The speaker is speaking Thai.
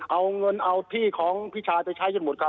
เอาเงินเอาที่ของพี่ชายไปใช้กันหมดครับ